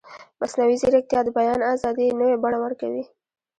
مصنوعي ځیرکتیا د بیان ازادي نوې بڼه ورکوي.